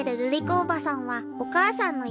おばさんはお母さんのいとこ。